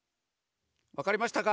わかりましたか？